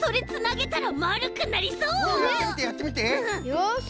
よし。